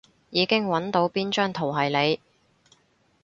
已經搵到邊張圖係你